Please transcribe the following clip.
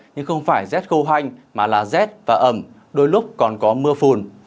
nhưng không phải rét khô hoanh mà là rét và ẩm đôi lúc còn có mưa phùn